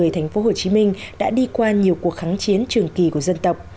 thành phố hồ chí minh đã đi qua nhiều cuộc kháng chiến trường kỳ của dân tộc